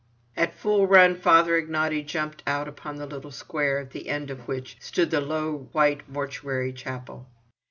At full run Father Ignaty jumped out upon the little square at the end of which stood the low white mortuary chapel.